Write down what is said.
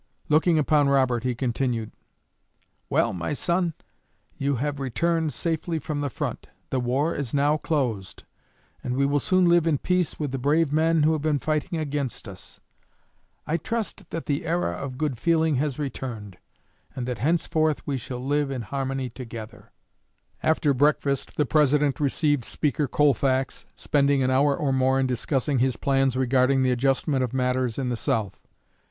Looking upon Robert, he continued: "Well, my son, you have returned safely from the front. The war is now closed, and we will soon live in peace with the brave men who have been fighting against us. I trust that the era of good feeling has returned, and that henceforth we shall live in harmony together." After breakfast the President received Speaker Colfax, spending an hour or more in discussing his plans regarding the adjustment of matters in the South.